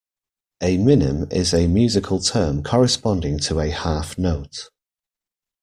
A minim is a musical term corresponding to a half note.